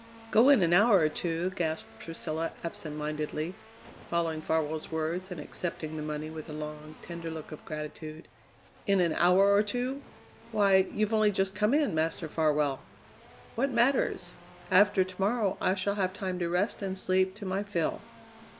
"Go in an hour or two?" gasped Priscilla absentmindedly, following Farwell's words and accepting the money with a long, tender look of gratitude. "In an hour or two? Why, you've only just come in, Master Farwell!" "What matters? After to morrow I shall have time to rest and sleep to my fill."